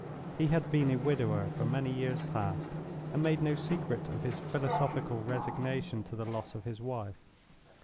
He had been a widower for many years past, and made no secret of his philosophical resignation to the loss of his wife.